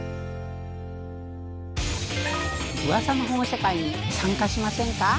「ウワサの保護者会」に参加しませんか？